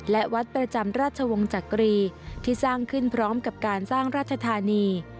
และวัดประจำราชวงศ์จักรีที่สร้างขึ้นพร้อมกับการสร้างราชธานี